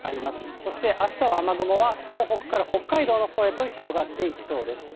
そしてあしたは雨雲は東北から北海道のほうへと広がっていきそうです。